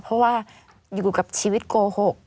เพราะว่าอยู่กับชีวิตโกหก